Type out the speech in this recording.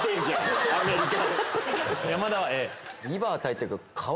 山田はＡ？